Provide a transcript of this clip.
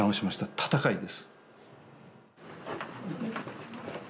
闘いです。